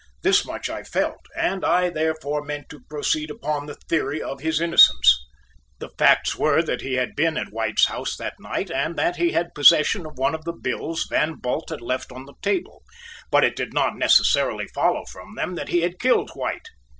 This much I felt, and I, therefore, meant to proceed upon the theory of his innocence. The facts were that he had been at White's house that night and that he had possession of one of the bills Van Bult had left on the table, but it did not necessarily follow from them that he had killed White.